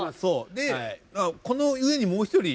でこの上にもう一人。